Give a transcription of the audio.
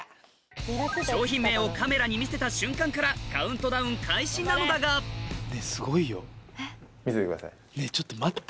商品名をカメラに見せた瞬間からカウントダウン開始なのだがねぇちょっと待って。